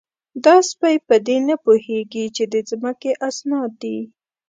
_دا سپۍ په دې نه پوهېږي چې د ځمکې اسناد دي؟